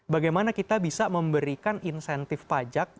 bagaimana kita bisa memberikan insentif pajak